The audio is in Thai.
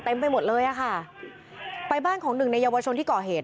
ไปหมดเลยอ่ะค่ะไปบ้านของหนึ่งในเยาวชนที่ก่อเหตุ